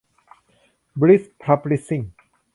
บลิส พับลิชชิ่ง